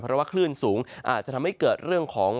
เพราะว่าคลื่นสูงอาจจะทำให้เกิดเรื่องของ